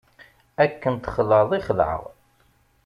Akken txelɛeḍ i xelɛeɣ.